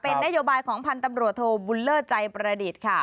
เป็นนโยบายของพันธ์ตำรวจโทบุญเลิศใจประดิษฐ์ค่ะ